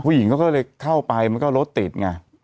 ผู้หญิงเขาก็เลยเข้าไปมันก็รถติดไง